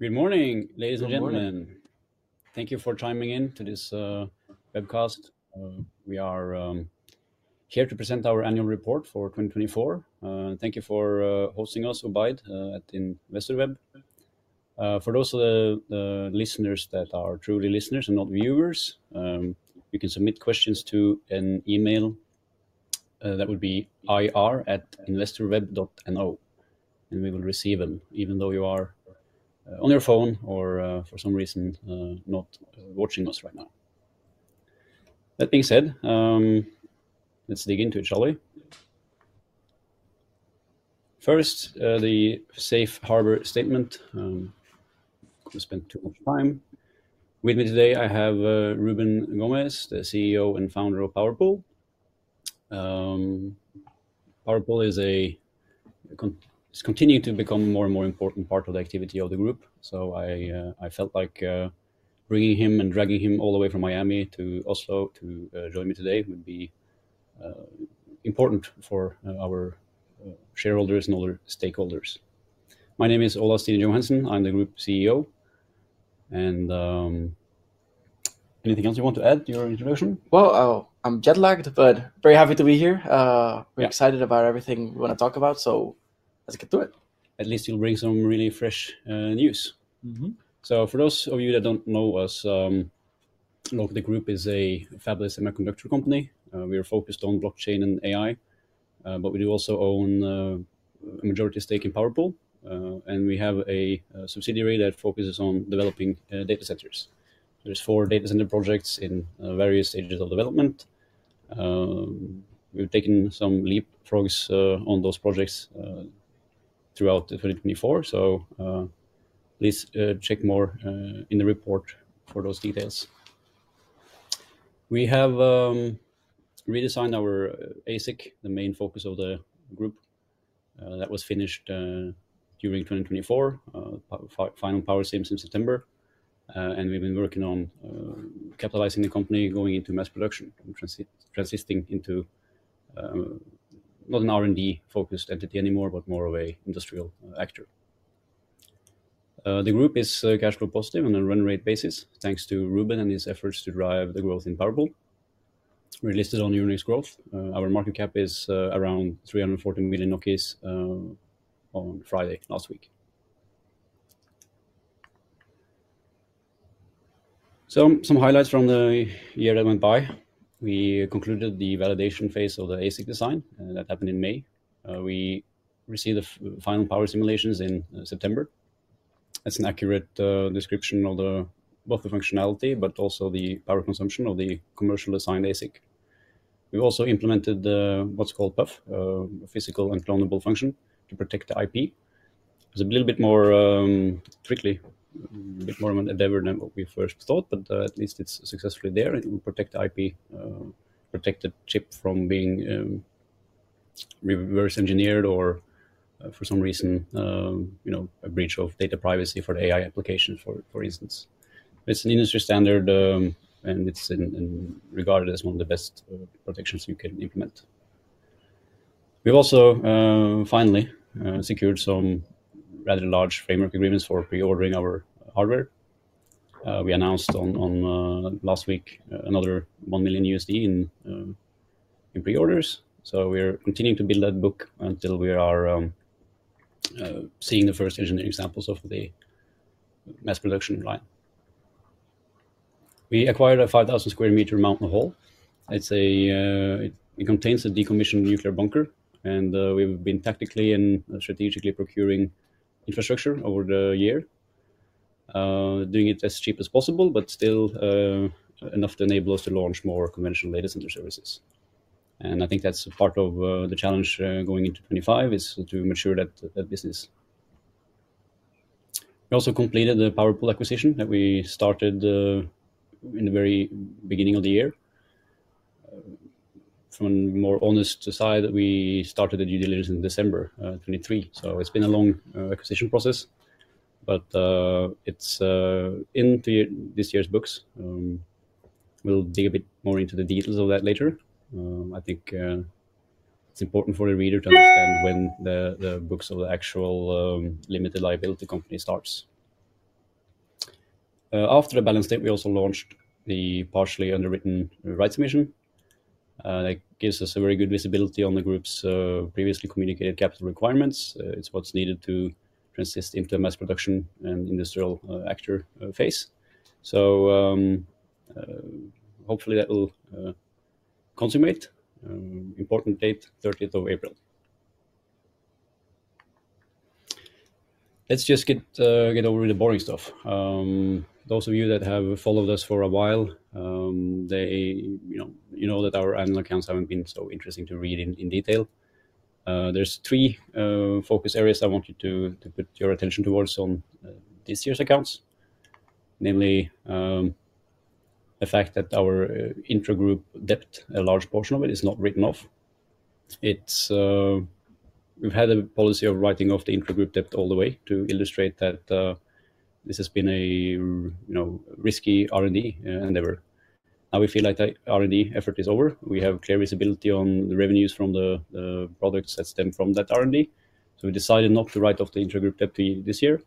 Good morning, ladies and gentlemen. Thank you for chiming in to this webcast. We are here to present our annual report for 2024. Thank you for hosting us, Ubaid, at InvestorWeb. For those of the listeners that are truly listeners and not viewers, you can submit questions to an email that would be ir@investorweb.no, and we will receive them even though you are on your phone or, for some reason, not watching us right now. That being said, let's dig into it, shall we? First, the Safe Harbor Statement. I've spent too much time with me today. I have Ruben Gómez, the CEO and founder of PowerPool. PowerPool is continuing to become a more and more important part of the activity of the group, so I felt like bringing him and dragging him all the way from Miami to Oslo to join me today would be important for our shareholders and other stakeholders. My name is Ola Stene-Johansen. I'm the group CEO. Anything else you want to add to your introduction? I'm jet-lagged, but very happy to be here. We're excited about everything we want to talk about, so let's get to it. At least you'll bring some really fresh news. For those of you that don't know us, the group is a fabless semiconductor company. We are focused on blockchain and AI, but we do also own a majority stake in PowerPool, and we have a subsidiary that focuses on developing data centers. There are four data center projects in various stages of development. We've taken some leapfrogs on those projects throughout 2024, so please check more in the report for those details. We have redesigned our ASIC, the main focus of the group. That was finished during 2024, final power sims in September, and we've been working on capitalizing the company, going into mass production, transitioning into not an R&D-focused entity anymore, but more of an industrial actor. The group is cash flow positive on a run rate basis, thanks to Ruben and his efforts to drive the growth in PowerPool. We're listed on Euronext Growth. Our market cap is around 340 million on Friday last week. Some highlights from the year that went by. We concluded the validation phase of the ASIC design. That happened in May. We received the final power simulations in September. That's an accurate description of both the functionality, but also the power consumption of the commercial design ASIC. We've also implemented what's called PUF, a physical unclonable function, to protect the IP. It's a little bit more tricky, a bit more of an endeavor than what we first thought, but at least it's successfully there. It will protect the IP, protect the chip from being reverse-engineered or, for some reason, a breach of data privacy for the AI application, for instance. It is an industry standard, and it is regarded as one of the best protections you can implement. We have also, finally, secured some rather large framework agreements for pre-ordering our hardware. We announced last week another $1 million in pre-orders, so we are continuing to build that book until we are seeing the first engineering samples of the mass production line. We acquired a 5,000 sq m mountain hall. It contains a decommissioned nuclear bunker, and we have been tactically and strategically procuring infrastructure over the year, doing it as cheap as possible, but still enough to enable us to launch more conventional data center services. I think that is part of the challenge going into 2025 is to mature that business. We also completed the PowerPool acquisition that we started in the very beginning of the year. From a more honest side, we started the due diligence in December 2023, so it's been a long acquisition process, but it's in this year's books. We'll dig a bit more into the details of that later. I think it's important for the reader to understand when the books of the actual limited liability company start. After the balance state, we also launched the partially underwritten rights emission. That gives us a very good visibility on the group's previously communicated capital requirements. It's what's needed to transition into a mass production and industrial actor phase. Hopefully that will consummate. Important date, 30th of April. Let's just get over to the boring stuff. Those of you that have followed us for a while, you know that our annual accounts have not been so interesting to read in detail. There are three focus areas I want you to put your attention towards on this year's accounts, namely the fact that our intra-group debt, a large portion of it, is not written off. We have had a policy of writing off the intra-group debt all the way to illustrate that this has been a risky R&D endeavor. Now we feel like the R&D effort is over. We have clear visibility on the revenues from the products that stem from that R&D, so we decided not to write off the intra-group debt this year,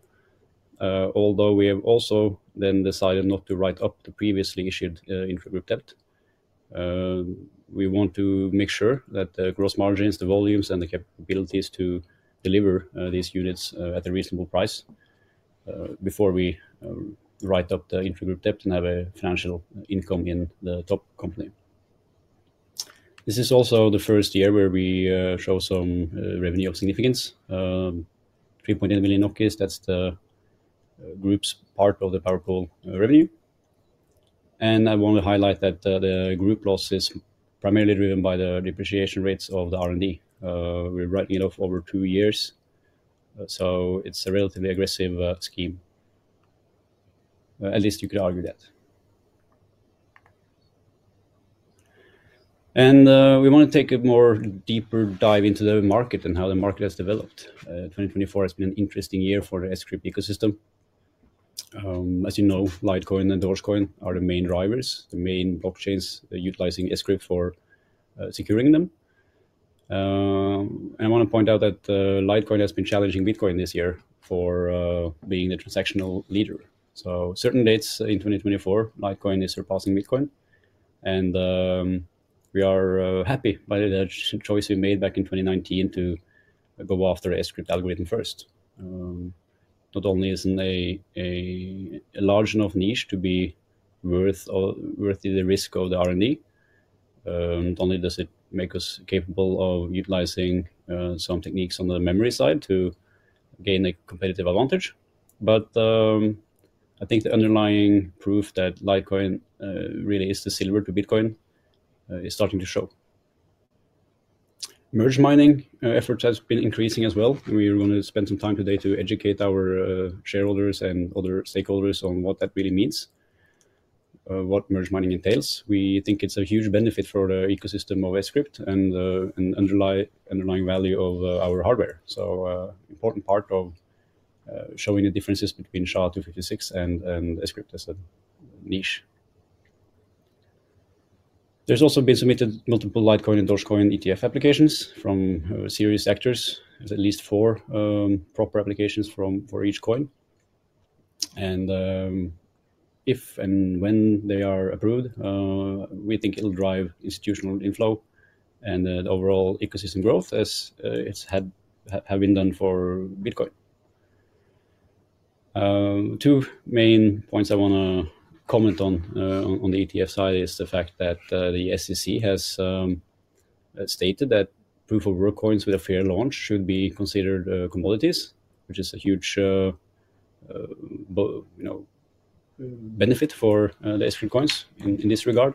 although we have also then decided not to write up the previously issued intra-group debt. We want to make sure that the gross margins, the volumes, and the capabilities to deliver these units at a reasonable price before we write up the intra-group debt and have a financial income in the top company. This is also the first year where we show some revenue of significance. 3.8 million, that's the group's part of the PowerPool revenue. I want to highlight that the group loss is primarily driven by the depreciation rates of the R&D. We're writing it off over two years, so it's a relatively aggressive scheme. At least you could argue that. We want to take a more deeper dive into the market and how the market has developed. 2024 has been an interesting year for the Scrypt ecosystem. As you know, Litecoin and Dogecoin are the main drivers, the main blockchains utilizing Scrypt for securing them. I want to point out that Litecoin has been challenging Bitcoin this year for being the transactional leader. On certain dates in 2024, Litecoin is surpassing Bitcoin, and we are happy by the choice we made back in 2019 to go after the Scrypt algorithm first. Not only is it a large enough niche to be worth the risk of the R&D, not only does it make us capable of utilizing some techniques on the memory side to gain a competitive advantage, but I think the underlying proof that Litecoin really is the silver to Bitcoin is starting to show. Merge mining efforts have been increasing as well. We are going to spend some time today to educate our shareholders and other stakeholders on what that really means, what merge mining entails. We think it's a huge benefit for the ecosystem of Scrypt and the underlying value of our hardware. An important part of showing the differences between SHA-256 and Scrypt as a niche. There's also been submitted multiple Litecoin and Dogecoin ETF applications from serious actors. There's at least four proper applications for each coin. If and when they are approved, we think it'll drive institutional inflow and the overall ecosystem growth as it's been done for Bitcoin. Two main points I want to comment on on the ETF side is the fact that the SEC has stated that proof of work coins with a fair launch should be considered commodities, which is a huge benefit for the Scrypt coins in this regard.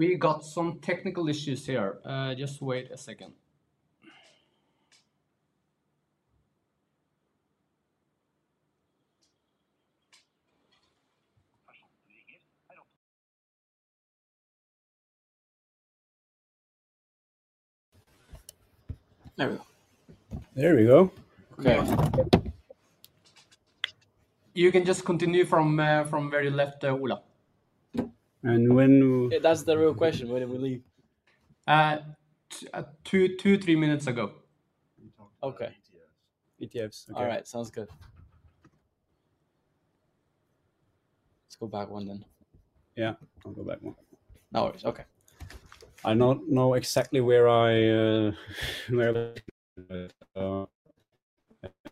We got some technical issues here. Just wait a second. There we go. There we go. Okay. You can just continue from where you left, Ola. And when? That's the real question. When did we leave? Two, three minutes ago. Okay. ETFs. ETFs. Okay. All right. Sounds good. Let's go back one then. Yeah. I'll go back one. No worries. Okay. I don't know exactly where I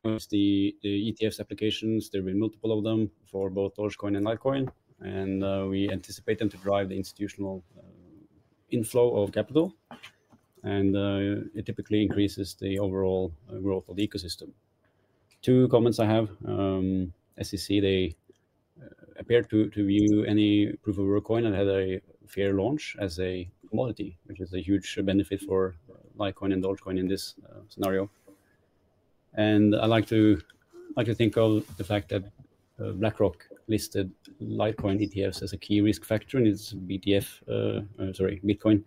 was. The ETF applications, there have been multiple of them for both Dogecoin and Litecoin, and we anticipate them to drive the institutional inflow of capital, and it typically increases the overall growth of the ecosystem. Two comments I have. The SEC, they appear to view any proof of work coin that has a fair launch as a commodity, which is a huge benefit for Litecoin and Dogecoin in this scenario. I like to think of the fact that BlackRock listed Litecoin ETFs as a key risk factor in its Bitcoin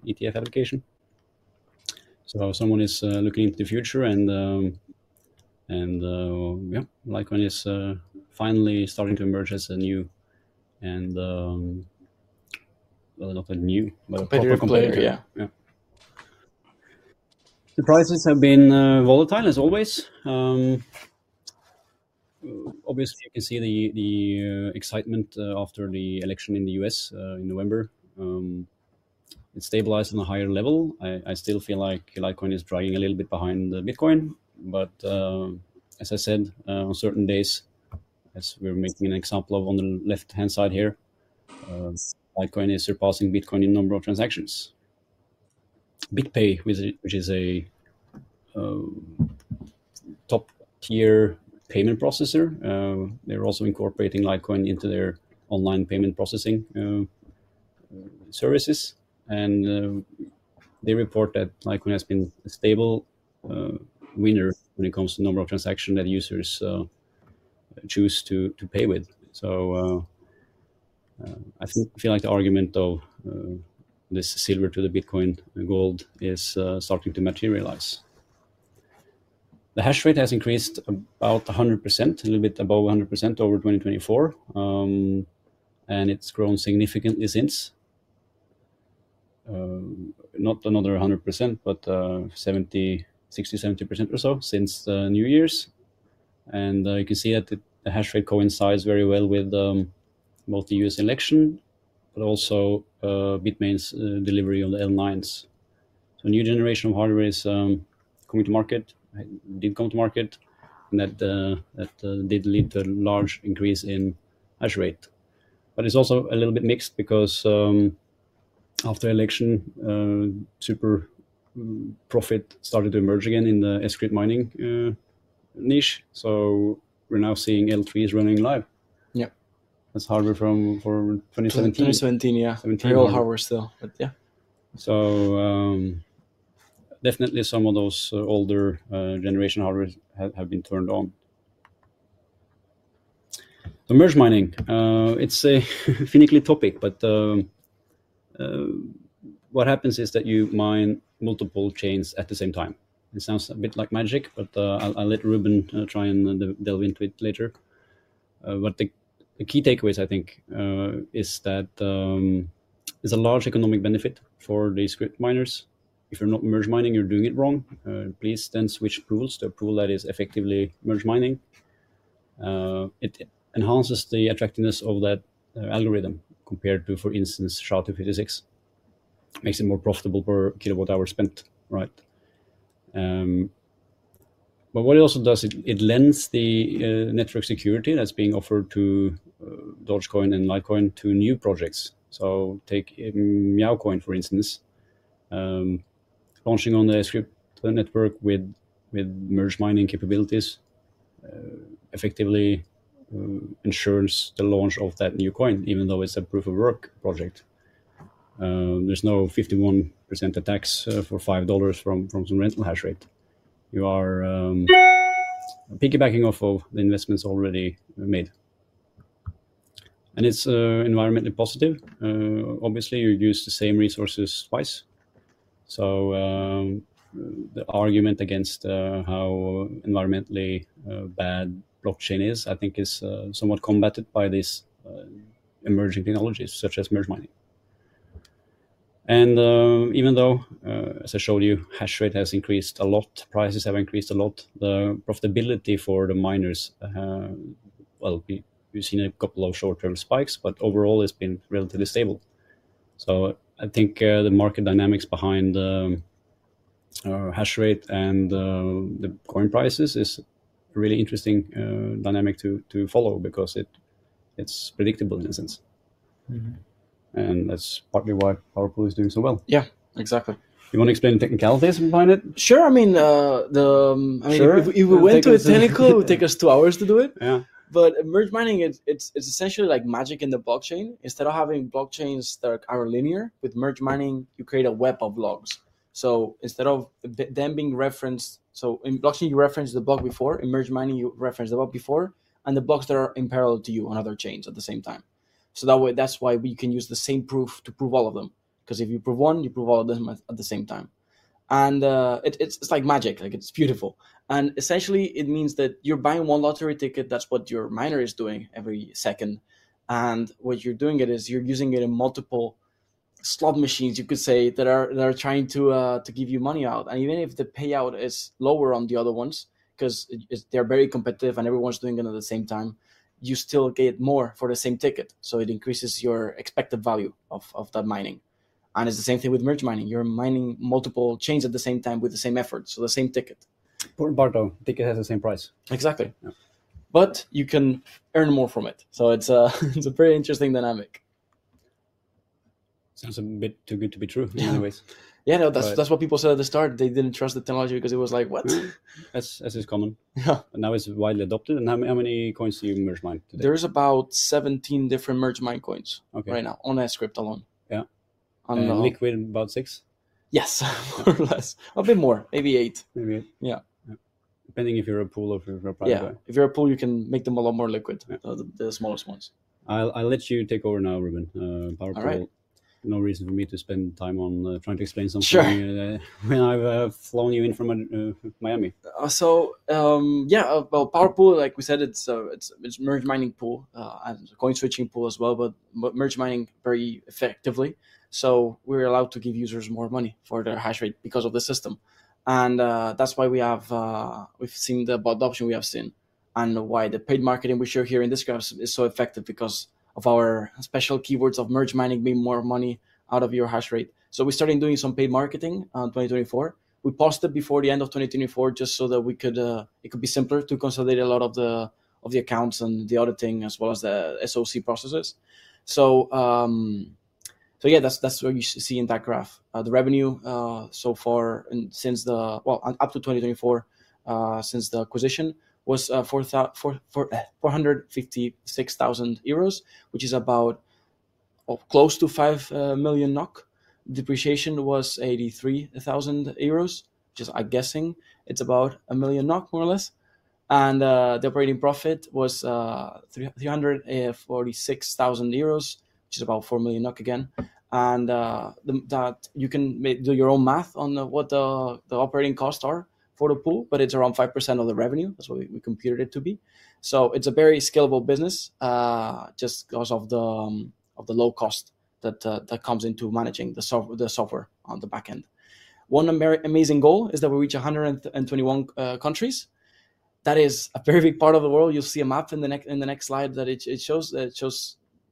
ETF application. If someone is looking into the future and yeah, Litecoin is finally starting to emerge as a new, and not a new, but a proper company. Yeah. The prices have been volatile as always. Obviously, you can see the excitement after the election in the U.S. in November. It stabilized on a higher level. I still feel like Litecoin is dragging a little bit behind Bitcoin, but as I said, on certain days, as we're making an example of on the left-hand side here, Litecoin is surpassing Bitcoin in number of transactions. BitPay, which is a top-tier payment processor, they're also incorporating Litecoin into their online payment processing services, and they report that Litecoin has been a stable winner when it comes to the number of transactions that users choose to pay with. I feel like the argument of this silver to the Bitcoin gold is starting to materialize. The hash rate has increased about 100%, a little bit above 100% over 2024, and it's grown significantly since. Not another 100%, but 60-70% or so since New Year's. You can see that the hash rate coincides very well with both the U.S. election, but also Bitmain's delivery on the L9s. A new generation of hardware is coming to market, did come to market, and that did lead to a large increase in hash rate. It is also a little bit mixed because after the election, super profit started to emerge again in the Scrypt mining niche. We are now seeing L3s running live. Yeah. That's hardware from 2017. 2017, yeah. 2017. Real hardware still, but yeah. Definitely some of those older generation hardware have been turned on. The merge mining, it's a finicky topic, but what happens is that you mine multiple chains at the same time. It sounds a bit like magic, but I'll let Ruben try and delve into it later. The key takeaways, I think, is that it's a large economic benefit for the Scrypt miners. If you're not merge mining, you're doing it wrong, please then switch pools to a pool that is effectively merge mining. It enhances the attractiveness of that algorithm compared to, for instance, SHA-256. It makes it more profitable per kilowatt-hour spent, right? What it also does, it lends the network security that's being offered to Dogecoin and Litecoin to new projects. Take Meowcoin, for instance, launching on the Scrypt network with merge mining capabilities effectively ensures the launch of that new coin, even though it's a proof of work project. There's no 51% attacks for $5 from some rental hash rate. You are piggybacking off of the investments already made. It's environmentally positive. Obviously, you use the same resources twice. The argument against how environmentally bad blockchain is, I think, is somewhat combated by these emerging technologies such as merge mining. Even though, as I showed you, hash rate has increased a lot, prices have increased a lot, the profitability for the miners, we've seen a couple of short-term spikes, but overall, it's been relatively stable. I think the market dynamics behind hash rate and the coin prices is a really interesting dynamic to follow because it's predictable in a sense. That is partly why PowerPool is doing so well. Yeah, exactly. You want to explain the technicalities behind it? Sure. I mean, if we went to a technical, it would take us two hours to do it. Yeah. Merge mining, it's essentially like magic in the blockchain. Instead of having blockchains that are linear, with merge mining, you create a web of logs. Instead of them being referenced, so in blockchain, you reference the block before. In merge mining, you reference the block before, and the blocks that are in parallel to you on other chains at the same time. That's why you can use the same proof to prove all of them, because if you prove one, you prove all of them at the same time. It's like magic. It's beautiful. Essentially, it means that you're buying one lottery ticket. That's what your miner is doing every second. What you're doing is you're using it in multiple slot machines, you could say, that are trying to give you money out. Even if the payout is lower on the other ones, because they're very competitive and everyone's doing it at the same time, you still get more for the same ticket. It increases your expected value of that mining. It's the same thing with merge mining. You're mining multiple chains at the same time with the same effort, so the same ticket. Important part though, ticket has the same price. Exactly. You can earn more from it. It is a pretty interesting dynamic. Sounds a bit too good to be true in many ways. Yeah, no, that's what people said at the start. They didn't trust the technology because it was like, what? That's just common. Yeah. Now it's widely adopted. How many coins do you merge mine today? There's about 17 different merge mine coins right now on Scrypt alone. Yeah. And liquid, about six? Yes, more or less. A bit more, maybe eight. Maybe eight. Yeah. Depending if you're a pool or if you're a private player. Yeah. If you're a pool, you can make them a lot more liquid, the smallest ones. I'll let you take over now, Ruben. PowerPool. All right. No reason for me to spend time on trying to explain something when I've flown you in from Miami. Yeah, PowerPool, like we said, it's a merge mining pool and a coin switching pool as well, but merge mining very effectively. We're allowed to give users more money for their hash rate because of the system. That's why we've seen the adoption we have seen and why the paid marketing we show here in this class is so effective because of our special keywords of merge mining being more money out of your hash rate. We started doing some paid marketing in 2024. We paused it before the end of 2024 just so that it could be simpler to consolidate a lot of the accounts and the auditing as well as the SOC processes. That's what you see in that graph. The revenue so far since the, up to 2024, since the acquisition was 456,000 euros, which is about close to 5 million NOK. Depreciation was 83,000 euros, just I'm guessing. It's about 1 million NOK, more or less. The operating profit was 346,000 euros, which is about 4 million NOK again. You can do your own math on what the operating costs are for the pool, but it's around 5% of the revenue. That's what we computed it to be. It's a very scalable business just because of the low cost that comes into managing the software on the back end. One amazing goal is that we reach 121 countries. That is a very big part of the world. You'll see a map in the next slide that it shows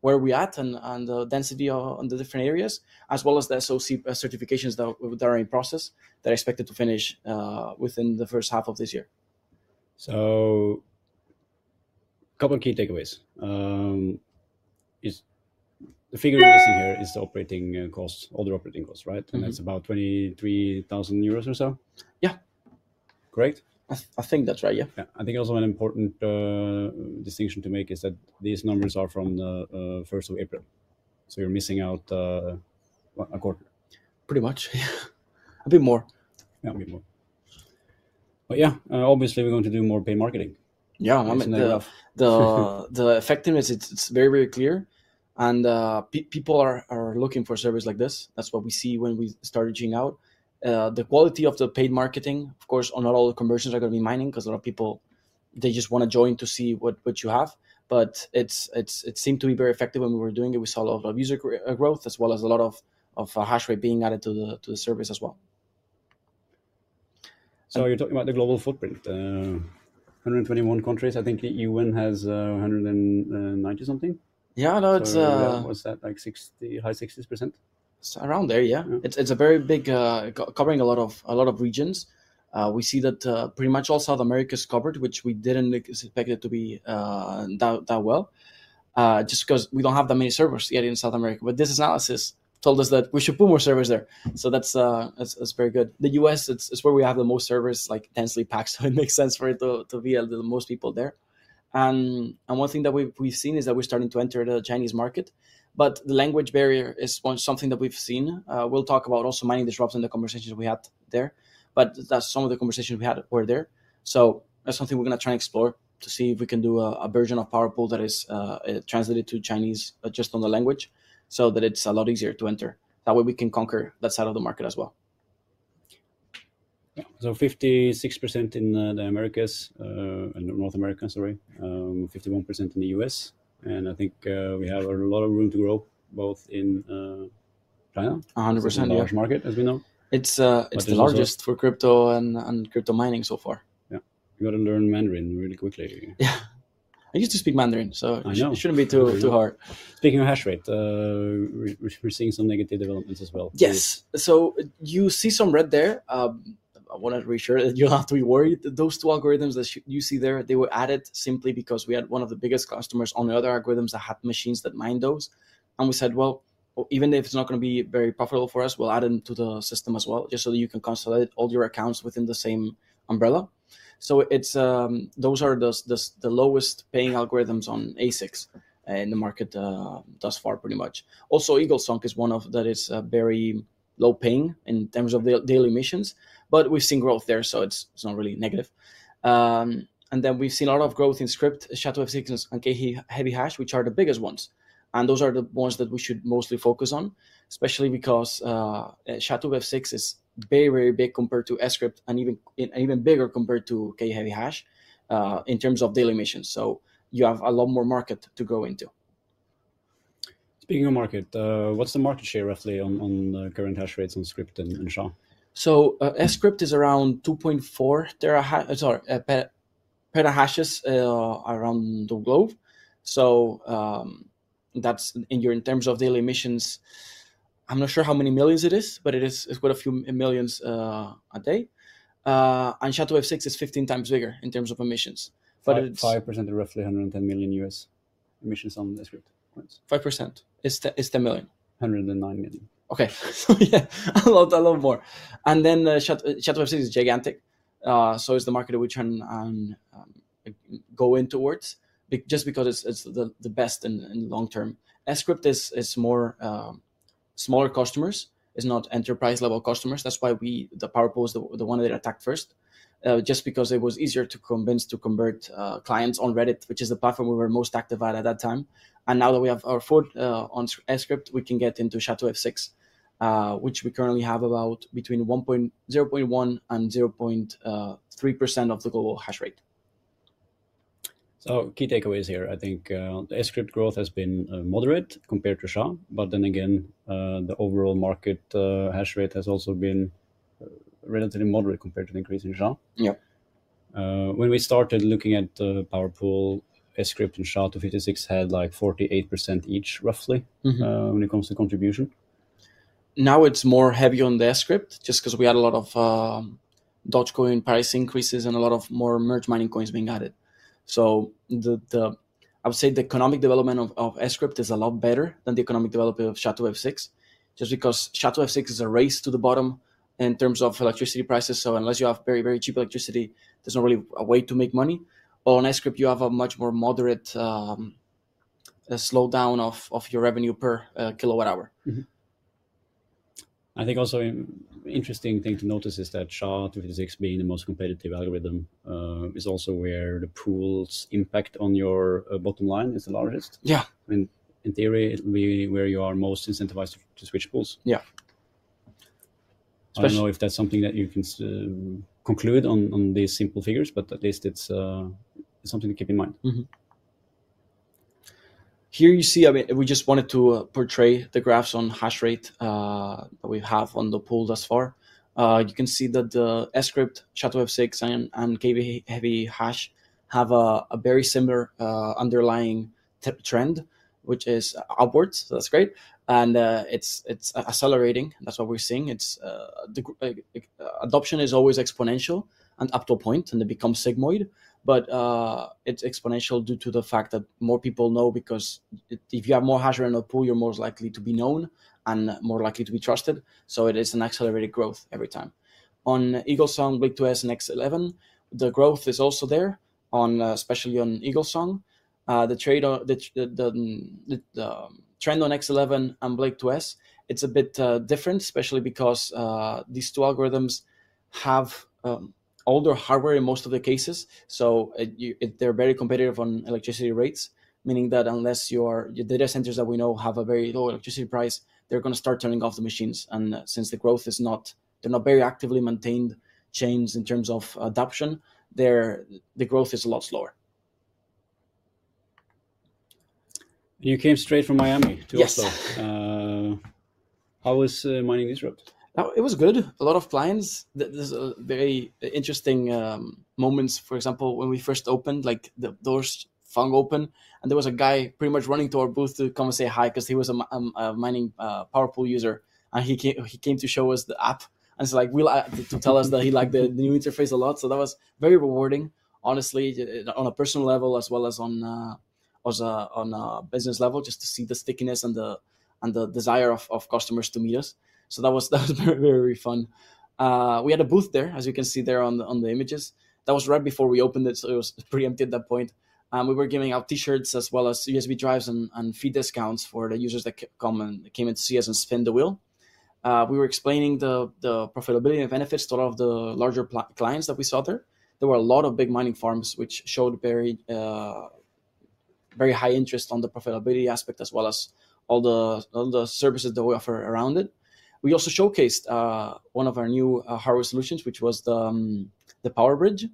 where we're at and the density on the different areas, as well as the SOC certifications that are in process that are expected to finish within the first half of this year. A couple of key takeaways. The figure you're missing here is the operating cost, all the operating costs, right? And that's about 23,000 euros or so? Yeah. Correct? I think that's right, yeah. Yeah. I think also an important distinction to make is that these numbers are from the 1st of April. So you're missing out a quarter. Pretty much, yeah. A bit more. Yeah, a bit more. Yeah, obviously, we're going to do more paid marketing. Yeah, I'm in favor of. The effectiveness, it's very, very clear. People are looking for services like this. That's what we see when we start reaching out. The quality of the paid marketing, of course, not all the conversions are going to be mining because a lot of people, they just want to join to see what you have. It seemed to be very effective when we were doing it. We saw a lot of user growth, as well as a lot of hash rate being added to the service as well. You're talking about the global footprint, 121 countries. I think the UN has 190 something. Yeah, no, it's. What's that, like 60, high 60%? It's around there, yeah. It's a very big covering a lot of regions. We see that pretty much all South America is covered, which we didn't expect it to be that well, just because we don't have that many servers yet in South America. This analysis told us that we should put more servers there. That's very good. The U.S. is where we have the most servers, like densely packed, so it makes sense for it to be the most people there. One thing that we've seen is that we're starting to enter the Chinese market. The language barrier is something that we've seen. We'll talk about also mining disrupts in the conversations we had there, but that's some of the conversations we had were there. That is something we're going to try and explore to see if we can do a version of PowerPool that is translated to Chinese just on the language so that it's a lot easier to enter. That way, we can conquer that side of the market as well. Fifty-six percent in the Americas and North America, sorry, 51% in the US. I think we have a lot of room to grow both in China. 100%, yeah. Large market, as we know. It's the largest for crypto and crypto mining so far. Yeah. You got to learn Mandarin really quickly. Yeah. I used to speak Mandarin, so it shouldn't be too hard. Speaking of hash rate, we're seeing some negative developments as well. Yes. You see some red there. I want to reassure you that you don't have to be worried. Those two algorithms that you see there, they were added simply because we had one of the biggest customers on the other algorithms that had machines that mine those. We said, even if it's not going to be very profitable for us, we'll add them to the system as well, just so that you can consolidate all your accounts within the same umbrella. Those are the lowest paying algorithms on ASICs in the market thus far, pretty much. Also, EagleSong is one that is very low paying in terms of the daily emissions, but we've seen growth there, so it's not really negative. We've seen a lot of growth in Scrypt, SHA-256, and KHeavyHash, which are the biggest ones. Those are the ones that we should mostly focus on, especially because SHA-256 is very, very big compared to Scrypt, and even bigger compared to KHeavyHash in terms of daily emissions. You have a lot more market to grow into. Speaking of market, what's the market share roughly on current hash rates on Scrypt and SHA? Scrypt is around 2.4. There are per hashes around the globe. That is in terms of daily emissions. I'm not sure how many millions it is, but it's quite a few millions a day. SHA-256 is 15 times bigger in terms of emissions. 5% of roughly $110 million US emissions on the Scrypt. 5% is 10 million. 109 million. Okay. Yeah, a lot more. SHA-256 is gigantic. It is the market that we turn and go in towards just because it is the best in the long term. Scrypt is smaller customers. It is not enterprise-level customers. That is why PowerPool is the one that it attacked first, just because it was easier to convince to convert clients on Reddit, which is the platform we were most active at at that time. Now that we have our foot on Scrypt, we can get into SHA-256, which we currently have about between 0.1% and 0.3% of the global hash rate. Key takeaways here, I think Scrypt growth has been moderate compared to SHA, but then again, the overall market hash rate has also been relatively moderate compared to the increase in SHA. Yeah. When we started looking at PowerPool, Scrypt and SHA-256 had like 48% each, roughly, when it comes to contribution. Now it's more heavy on the Scrypt, just because we had a lot of Dogecoin price increases and a lot of more merge mining coins being added. I would say the economic development of Scrypt is a lot better than the economic development of SHA-256, just because SHA-256 is a race to the bottom in terms of electricity prices. Unless you have very, very cheap electricity, there's not really a way to make money. On Scrypt, you have a much more moderate slowdown of your revenue per kilowatt hour. I think also an interesting thing to notice is that SHA-256 being the most competitive algorithm is also where the pool's impact on your bottom line is the largest. Yeah. In theory, it will be where you are most incentivized to switch pools. Yeah. I don't know if that's something that you can conclude on these simple figures, but at least it's something to keep in mind. Here you see, we just wanted to portray the graphs on hash rate that we have on the pool thus far. You can see that the Scrypt, SHA-256, and KHeavyHash have a very similar underlying trend, which is upwards. That is great. It is accelerating. That is what we are seeing. Adoption is always exponential and up to a point, and it becomes sigmoid. It is exponential due to the fact that more people know, because if you have more hash rate on the pool, you are more likely to be known and more likely to be trusted. It is an accelerated growth every time. On EagleSong, Blake2S, and X11, the growth is also there, especially on EagleSong. The trend on X11 and Blake2S, it is a bit different, especially because these two algorithms have older hardware in most of the cases. They are very competitive on electricity rates, meaning that unless your data centers that we know have a very low electricity price, they are going to start turning off the machines. Since the growth is not, they are not very actively maintained chains in terms of adoption, the growth is a lot slower. You came straight from Miami to Oslo. Yes. How was Mining Disrupt? It was good. A lot of clients. There were very interesting moments. For example, when we first opened, the doors flung open, and there was a guy pretty much running to our booth to come and say hi because he was a mining PowerPool user. He came to show us the app. He was like, "We'll add it," to tell us that he liked the new interface a lot. That was very rewarding, honestly, on a personal level, as well as on a business level, just to see the stickiness and the desire of customers to meet us. That was very, very fun. We had a booth there, as you can see there on the images. That was right before we opened it, so it was pretty empty at that point. We were giving out T-shirts as well as USB drives and fee discounts for the users that came in to see us and spin the wheel. We were explaining the profitability and benefits to a lot of the larger clients that we saw there. There were a lot of big mining farms, which showed very high interest on the profitability aspect, as well as all the services that we offer around it. We also showcased one of our new hardware solutions, which was the Power Bridge.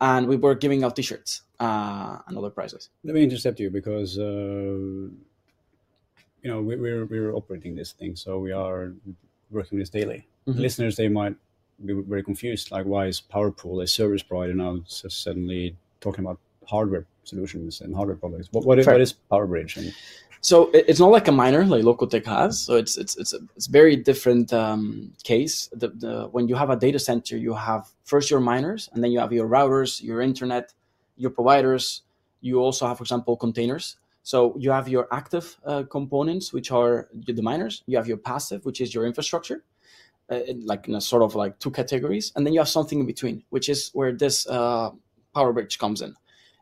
We were giving out T-shirts and other prizes. Let me intercept you because we're operating this thing, so we are working with this daily. Listeners, they might be very confused, like, "Why is PowerPool a service provider now suddenly talking about hardware solutions and hardware products? What is Power Bridge? It is not like a miner, like Lokotech has. It is a very different case. When you have a data center, you have first your miners, and then you have your routers, your internet, your providers. You also have, for example, containers. You have your active components, which are the miners. You have your passive, which is your infrastructure, like in sort of two categories. Then you have something in between, which is where this Power Bridge comes in.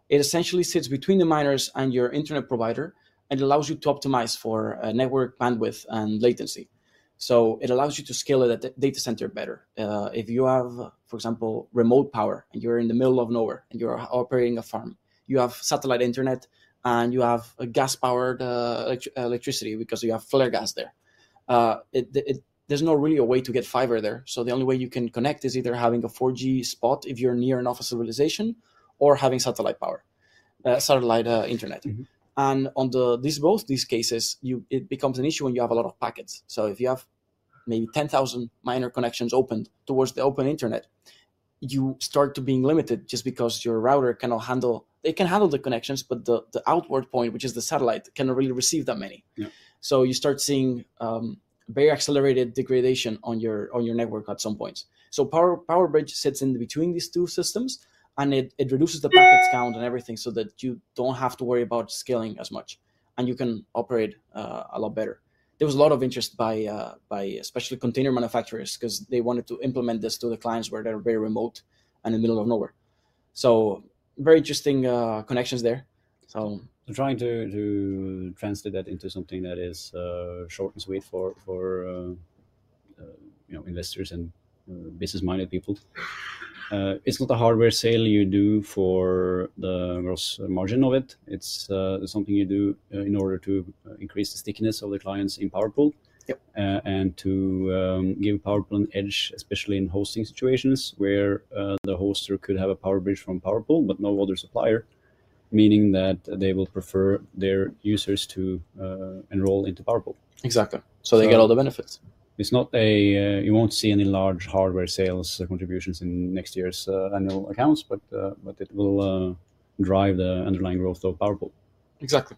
It essentially sits between the miners and your internet provider and allows you to optimize for network bandwidth and latency. It allows you to scale a data center better. If you have, for example, remote power and you are in the middle of nowhere and you are operating a farm, you have satellite internet and you have gas-powered electricity because you have flare gas there. There's not really a way to get fiber there. The only way you can connect is either having a 4G spot if you're near enough of a civilization or having satellite power, satellite internet. In both these cases, it becomes an issue when you have a lot of packets. If you have maybe 10,000 miner connections open towards the open internet, you start to be limited just because your router cannot handle, it can handle the connections, but the outward point, which is the satellite, cannot really receive that many. You start seeing very accelerated degradation on your network at some points. Power Bridge sits in between these two systems, and it reduces the packet count and everything so that you don't have to worry about scaling as much. You can operate a lot better. There was a lot of interest by especially container manufacturers because they wanted to implement this to the clients where they're very remote and in the middle of nowhere. So very interesting connections there. Trying to translate that into something that is short and sweet for investors and business-minded people. It's not a hardware sale you do for the gross margin of it. It's something you do in order to increase the stickiness of the clients in PowerPool and to give PowerPool an edge, especially in hosting situations where the hoster could have a Power Bridge from PowerPool, but no other supplier, meaning that they will prefer their users to enroll into PowerPool. Exactly. They get all the benefits. It's not a, you won't see any large hardware sales contributions in next year's annual accounts, but it will drive the underlying growth of PowerPool. Exactly.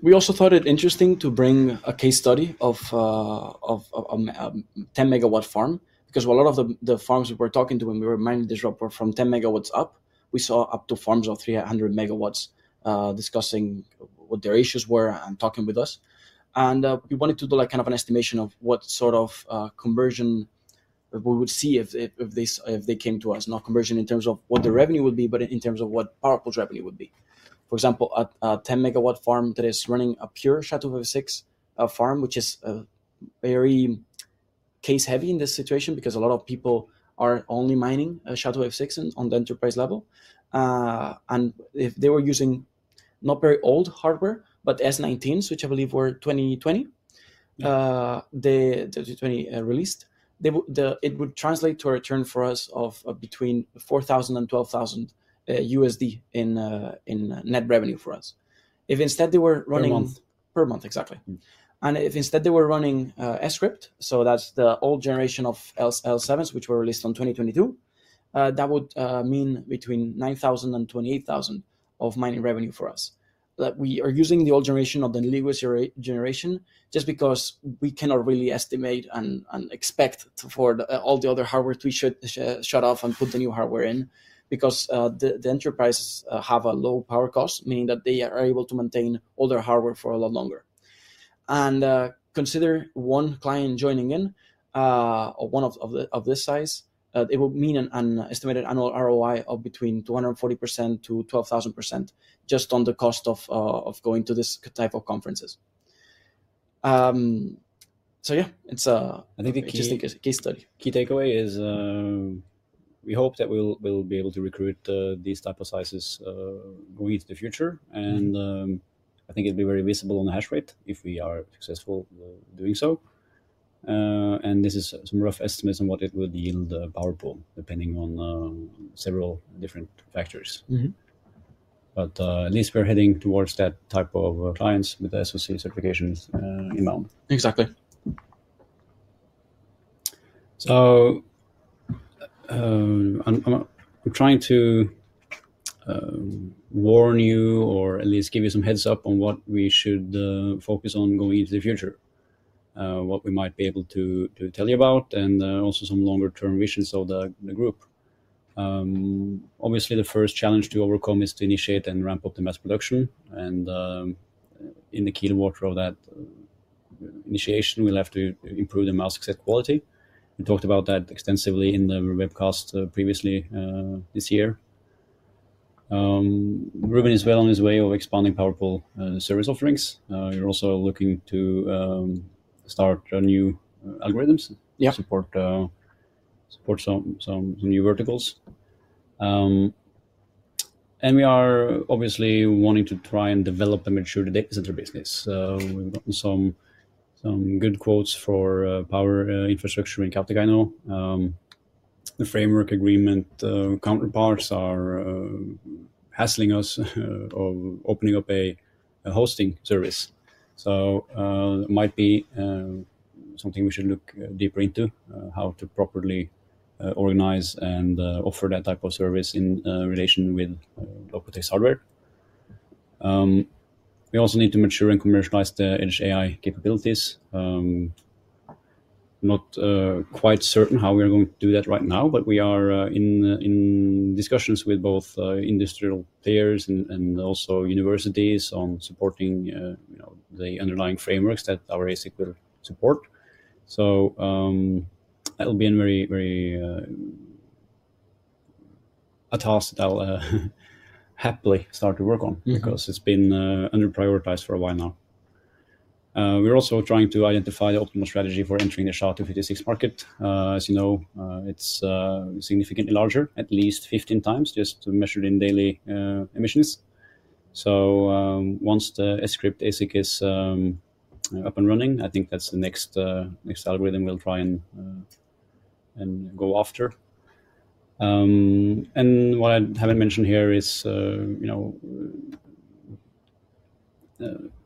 We also thought it interesting to bring a case study of a 10-megawatt farm because a lot of the farms we were talking to when we were mining this route were from 10 megawatts up. We saw up to farms of 300 megawatts discussing what their issues were and talking with us. We wanted to do like kind of an estimation of what sort of conversion we would see if they came to us, not conversion in terms of what the revenue would be, but in terms of what PowerPool's revenue would be. For example, a 10-megawatt farm that is running a pure SHA-256 farm, which is very case-heavy in this situation because a lot of people are only mining SHA-256 on the enterprise level. If they were using not very old hardware, but S19s, which I believe were 2020, 2020 released, it would translate to a return for us of between $4,000 and $12,000 in net revenue for us. If instead they were running. Per month. Per month, exactly. If instead they were running Scrypt, so that's the old generation of L7s, which were released in 2022, that would mean between $9,000 and $28,000 of mining revenue for us. We are using the old generation of the legal generation just because we cannot really estimate and expect for all the other hardware to be shut off and put the new hardware in because the enterprises have a low power cost, meaning that they are able to maintain older hardware for a lot longer. Consider one client joining in, one of this size, it would mean an estimated annual ROI of between 240% and 12,000% just on the cost of going to this type of conferences. Yeah, it's an interesting case study. Key takeaway is we hope that we'll be able to recruit these type of sizes going into the future. I think it'll be very visible on the hash rate if we are successful doing so. This is some rough estimates on what it will yield PowerPool depending on several different factors. At least we're heading towards that type of clients with the SOC certifications in mind. Exactly. I'm trying to warn you or at least give you some heads up on what we should focus on going into the future, what we might be able to tell you about, and also some longer-term visions of the group. Obviously, the first challenge to overcome is to initiate and ramp up the mass production. In the key quarter of that initiation, we'll have to improve the mask set quality. We talked about that extensively in the webcast previously this year. Ruben is well on his way of expanding PowerPool service offerings. You're also looking to start new algorithms to support some new verticals. We are obviously wanting to try and develop and mature the data center business. We've gotten some good quotes for power infrastructure in Capgemini. The framework agreement counterparts are hassling us or opening up a hosting service. It might be something we should look deeper into, how to properly organize and offer that type of service in relation with local-based hardware. We also need to mature and commercialize the edge AI capabilities. Not quite certain how we're going to do that right now, but we are in discussions with both industrial players and also universities on supporting the underlying frameworks that our ASIC will support. That will be a task that I'll happily start to work on because it's been underprioritized for a while now. We're also trying to identify the optimal strategy for entering the SHA-256 market. As you know, it's significantly larger, at least 15 times, just measured in daily emissions. Once the Scrypt ASIC is up and running, I think that's the next algorithm we'll try and go after. What I haven't mentioned here is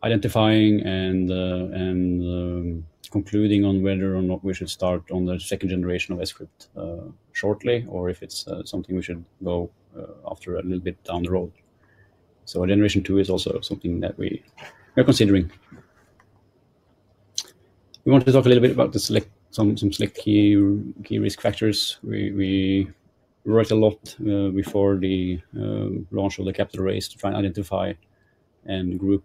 identifying and concluding on whether or not we should start on the second generation of Scrypt shortly or if it's something we should go after a little bit down the road. Generation 2 is also something that we are considering. We want to talk a little bit about some select key risk factors. We worked a lot before the launch of the capital raise to try and identify and group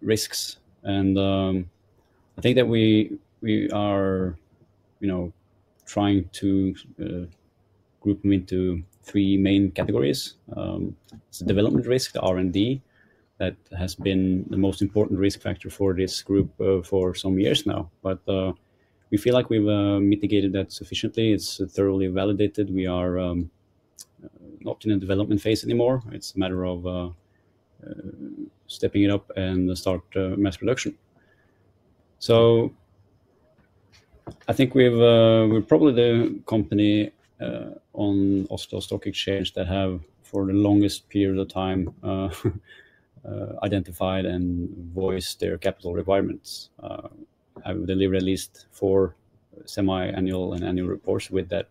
risks. I think that we are trying to group them into three main categories. It's the development risk, the R&D, that has been the most important risk factor for this group for some years now. We feel like we've mitigated that sufficiently. It's thoroughly validated. We are not in a development phase anymore. It's a matter of stepping it up and starting mass production. I think we're probably the company on Oslo Stock Exchange that have for the longest period of time identified and voiced their capital requirements. We delivered at least four semi-annual and annual reports with that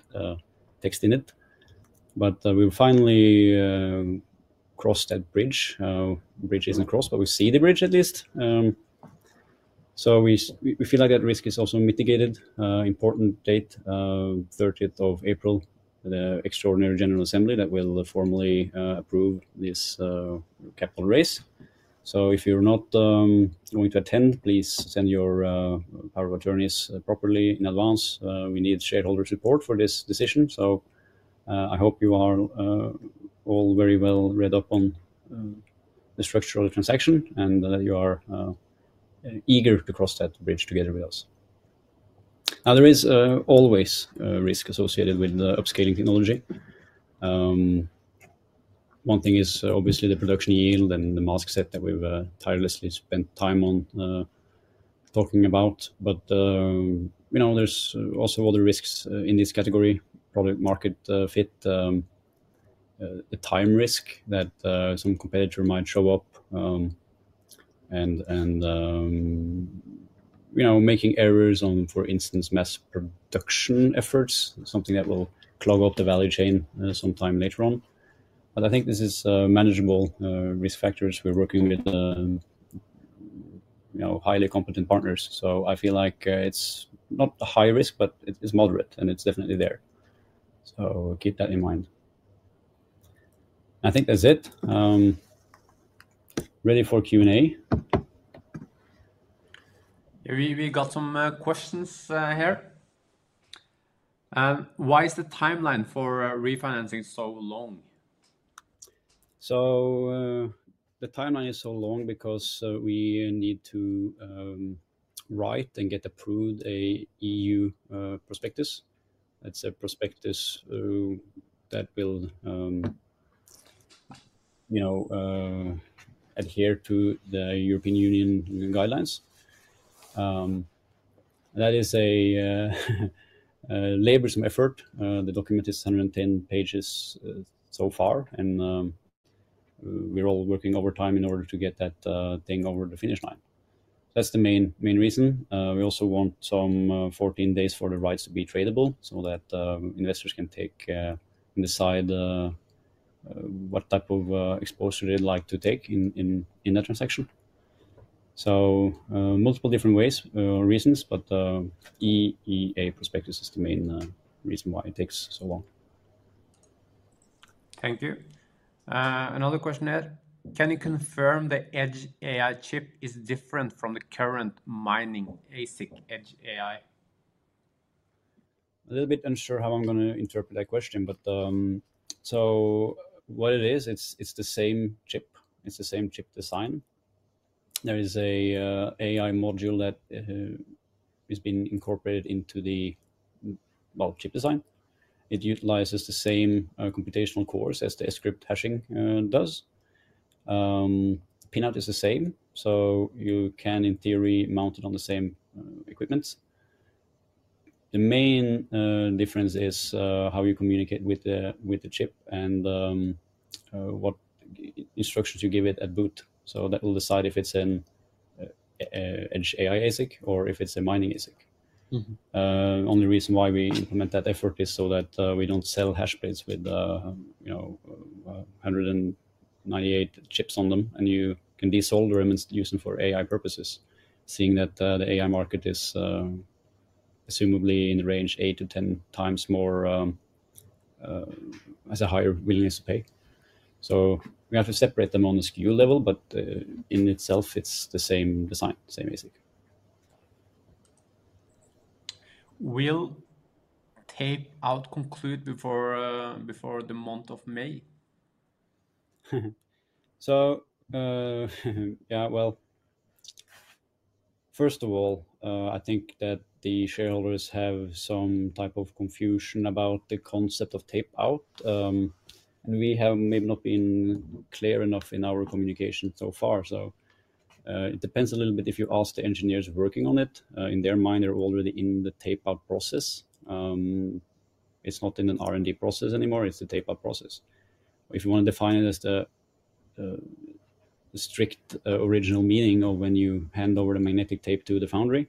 text in it. We have finally crossed that bridge. The bridge is not crossed, but we see the bridge at least. We feel like that risk is also mitigated. Important date, 30th of April, the extraordinary general assembly that will formally approve this capital raise. If you're not going to attend, please send your power of attorneys properly in advance. We need shareholder support for this decision. I hope you are all very well read up on the structure of the transaction and that you are eager to cross that bridge together with us. There is always risk associated with upscaling technology. One thing is obviously the production yield and the mask set that we've tirelessly spent time on talking about. There are also other risks in this category, product-market fit, the time risk that some competitor might show up and making errors on, for instance, mass production efforts, something that will clog up the value chain sometime later on. I think this is manageable risk factors. We're working with highly competent partners. I feel like it's not a high risk, but it's moderate, and it's definitely there. Keep that in mind. I think that's it. Ready for Q&A? We got some questions here. Why is the timeline for refinancing so long? The timeline is so long because we need to write and get approved an EU prospectus. It's a prospectus that will adhere to the European Union guidelines. That is a labor-effort. The document is 110 pages so far, and we're all working overtime in order to get that thing over the finish line. That's the main reason. We also want some 14 days for the rights to be tradable so that investors can take and decide what type of exposure they'd like to take in that transaction. Multiple different ways, reasons, but EEA prospectus is the main reason why it takes so long. Thank you. Another question here. Can you confirm the edge AI chip is different from the current mining ASIC edge AI? A little bit unsure how I'm going to interpret that question, but what it is, it's the same chip. It's the same chip design. There is an AI module that has been incorporated into the chip design. It utilizes the same computational cores as the Scrypt hashing does. The pinout is the same, so you can, in theory, mount it on the same equipment. The main difference is how you communicate with the chip and what instructions you give it at boot. That will decide if it's an edge AI ASIC or if it's a mining ASIC. The only reason why we implement that effort is so that we do not sell hash plates with 198 chips on them, and you can desolder them and use them for AI purposes, seeing that the AI market is assumably in the range 8-10 times more as a higher willingness to pay. We have to separate them on the SKU level, but in itself, it is the same design, same ASIC. Will tape out conclude before the month of May? Yeah, first of all, I think that the shareholders have some type of confusion about the concept of tape out. We have maybe not been clear enough in our communication so far. It depends a little bit if you ask the engineers working on it. In their mind, they're already in the tape out process. It's not in an R&D process anymore. It's the tape out process. If you want to define it as the strict original meaning of when you hand over the magnetic tape to the foundry,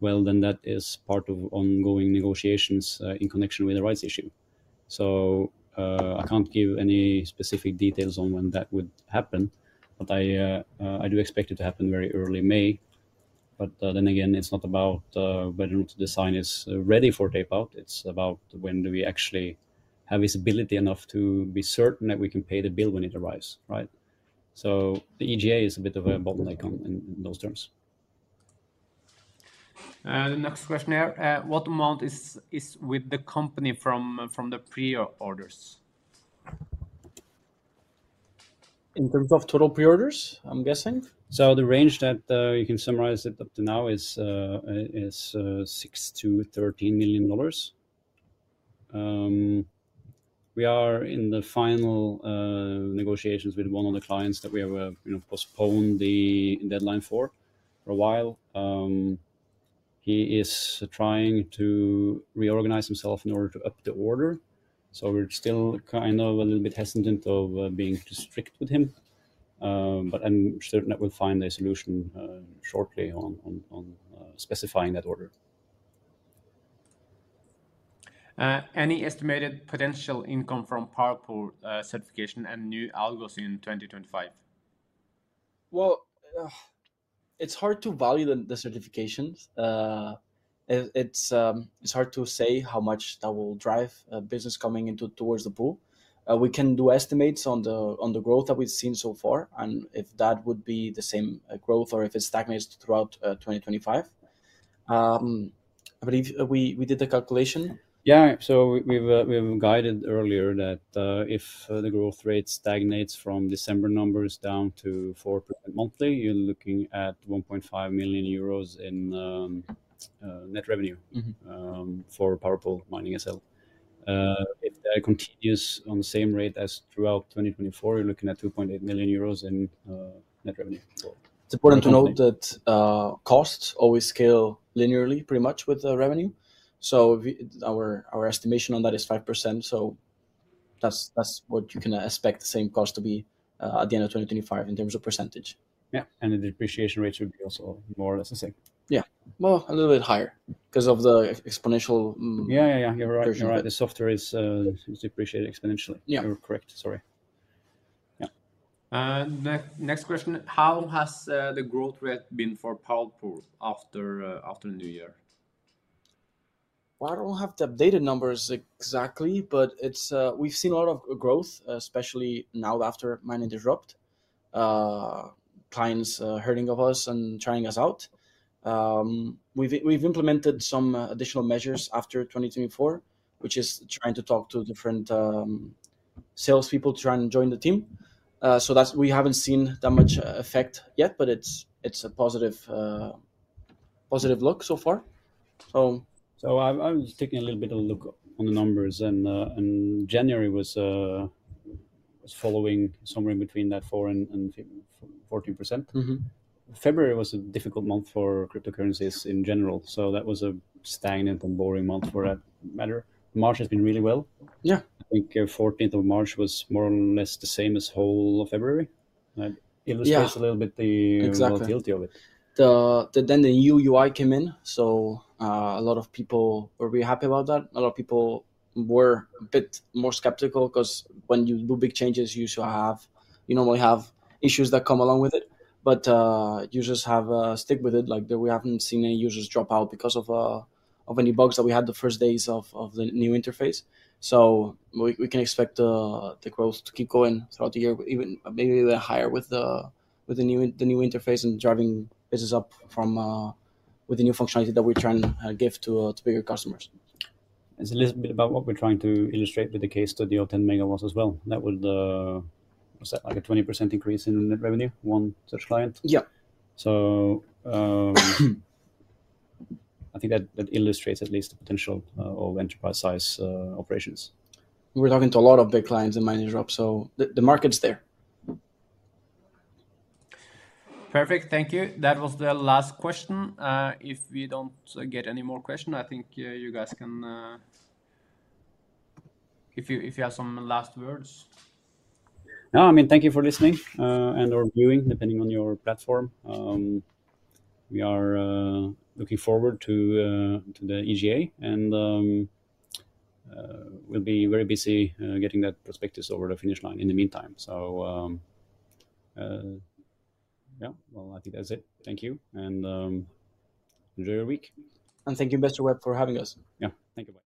that is part of ongoing negotiations in connection with the rights issue. I can't give any specific details on when that would happen, but I do expect it to happen very early May. Then again, it's not about whether or not the design is ready for tape out. It's about when do we actually have visibility enough to be certain that we can pay the bill when it arrives, right? The EGA is a bit of a bottleneck in those terms. Next question here. What amount is with the company from the pre-orders? In terms of total pre-orders, I'm guessing? The range that you can summarize it up to now is $6-$13 million. We are in the final negotiations with one of the clients that we have postponed the deadline for for a while. He is trying to reorganize himself in order to up the order. We are still kind of a little bit hesitant of being too strict with him, but I'm certain that we'll find a solution shortly on specifying that order. Any estimated potential income from PowerPool certification and new algos in 2025? It's hard to value the certifications. It's hard to say how much that will drive business coming into towards the pool. We can do estimates on the growth that we've seen so far and if that would be the same growth or if it stagnates throughout 2025. I believe we did the calculation. Yeah, so we've guided earlier that if the growth rate stagnates from December numbers down to 4% monthly, you're looking at 1.5 million euros in net revenue for PowerPool Mining SL. If that continues on the same rate as throughout 2024, you're looking at 2.8 million euros in net revenue. It's important to note that costs always scale linearly pretty much with revenue. Our estimation on that is 5%. That's what you can expect the same cost to be at the end of 2025 in terms of percentage. Yeah, and the depreciation rate should be also more or less the same. Yeah, well, a little bit higher because of the exponential version. Yeah, yeah, yeah, you're right. The software is depreciated exponentially. You're correct, sorry. Yeah. Next question. How has the growth rate been for PowerPool after the new year? I don't have the updated numbers exactly, but we've seen a lot of growth, especially now after Mining Disrupt, clients hearing of us and trying us out. We've implemented some additional measures after 2024, which is trying to talk to different salespeople to try and join the team. We haven't seen that much effect yet, but it's a positive look so far. I'm just taking a little bit of a look on the numbers. January was following somewhere in between that 4%-14%. February was a difficult month for cryptocurrencies in general. That was a stagnant and boring month for that matter. March has been really well. I think 14th of March was more or less the same as whole of February. It illustrates a little bit the fragility of it. The new UI came in. A lot of people were really happy about that. A lot of people were a bit more skeptical because when you do big changes, you normally have issues that come along with it. Users have stuck with it. We have not seen any users drop out because of any bugs that we had the first days of the new interface. We can expect the growth to keep going throughout the year, even maybe a bit higher with the new interface and driving business up with the new functionality that we are trying to give to bigger customers. It's a little bit about what we're trying to illustrate with the case study of 10 megawatts as well. That would set like a 20% increase in net revenue one such client. Yeah, I think that illustrates at least the potential of enterprise-sized operations. We're talking to a lot of big clients in mining Europe, so the market's there. Perfect, thank you. That was the last question. If we do not get any more questions, I think you guys can, if you have some last words. No, I mean, thank you for listening and/or viewing depending on your platform. We are looking forward to the EGA and we will be very busy getting that prospectus over the finish line in the meantime. Yeah, I think that's it. Thank you and enjoy your week. Thank you, InvestorWeb for having us. Yeah, thank you, bye.